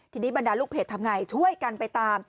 ทีนี้บรรดาลูกเผ็ดทำอย่างไรช่วยกันไปตาม